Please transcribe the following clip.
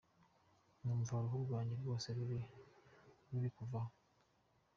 Numvaga uruhu rwanjye rwose ruri kuvaho.